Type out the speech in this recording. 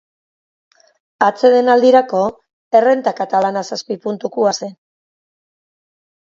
Atsedenaldirako, errenta katalana zazpi puntukoa zen.